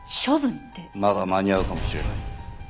まだ間に合うかもしれない。